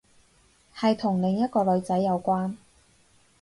係同另一個女仔有關